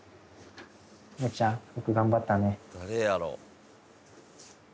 むぅちゃんよく頑張ったね。